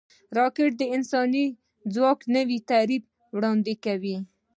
راکټ د انساني ځواک نوی تعریف وړاندې کوي